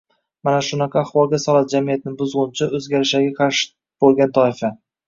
Mana shunaqa ahvolga soladi jamiyatni buzg‘unchi, o‘zgarishlarga qarshi bo‘lgan toifa.